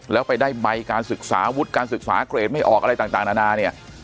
แล้วไปได้ใบการศึกษาวุฒิการศึกษาเกรดไม่ออกอะไรต่างนานาเนี่ย